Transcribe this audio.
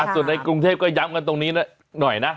ส่วนในกรุงเทพก็ย้ำกันตรงนี้หน่อยนะ